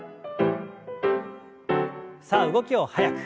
さあ動きを速く。